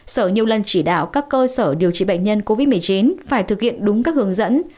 sở nhiều lần chỉ đạo các cơ sở điều trị bệnh nhân covid một mươi chín phải thực hiện đúng các hướng dẫn